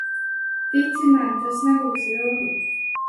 Tici man, tas nebūs ilgi.